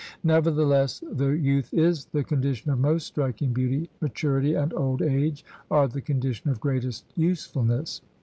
Nevertheless, though youth is the con dition of most striking beauty, maturity and old age are the condition of greatest usefulness.